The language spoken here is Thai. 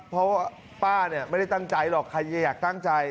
เพราะว่าป้าเนี่ยไม่ได้ตั้งใจหรอกใครจะอยากตั้งใจ